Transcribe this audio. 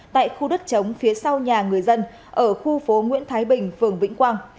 tại khu đất chống phía sau nhà người dân ở khu phố nguyễn thái bình phường vĩnh quang